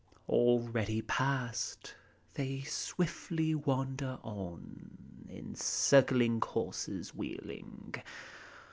NEREUS. Already past, they swiftly wander On, in circling courses wheeling!